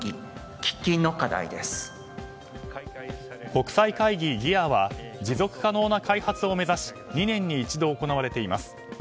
国際会議ＧＥＡは持続可能な開発を目指し２年に一度行われています。